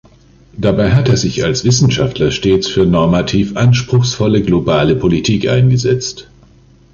Dabei hat er sich als Wissenschaftler stets für normativ anspruchsvolle globale Politik eingesetzt.